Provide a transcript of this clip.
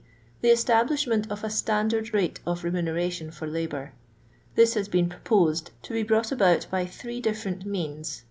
The eitahlishment qf a ttandard raie of rt muneration for labour. This has been pro posed to be brought about by three different means, viz.